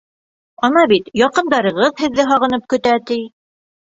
Ана бит, яҡындарығыҙ һеҙҙе һағынып көтә, ти.